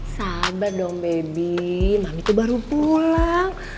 sabar dong baby mami tuh baru pulang